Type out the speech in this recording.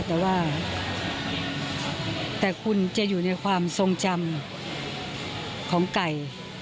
แต่ว่าแต่คุณจะอยู่ในความทรงจำของไก่